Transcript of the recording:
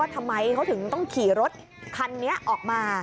ทำไมเขาถึงต้องขี่รถคันนี้ออกมา